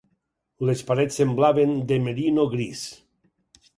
Les parets semblaven de merino gris